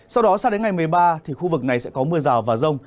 sau đó sang đến ngày một mươi ba thì khu vực này sẽ có mưa rào và rông